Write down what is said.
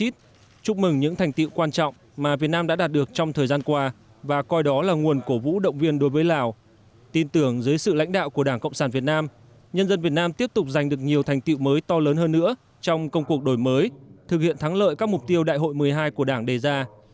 chúc mừng những thành tiệu quan trọng mà việt nam đã đạt được trong thời gian qua và coi đó là nguồn cổ vũ động viên đối với lào tin tưởng dưới sự lãnh đạo của đảng cộng sản việt nam nhân dân việt nam tiếp tục giành được nhiều thành tiệu mới to lớn hơn nữa trong công cuộc đổi mới thực hiện thắng lợi các mục tiêu đại hội một mươi hai của đảng đề ra